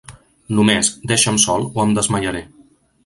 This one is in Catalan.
Només, deixam sol, o em desmaiaré.